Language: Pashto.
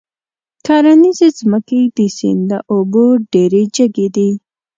کرنيزې ځمکې د سيند له اوبو ډېرې جګې دي.